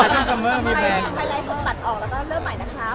พี่เอ็มเค้าเป็นระบองโรงงานหรือเปลี่ยนไงครับ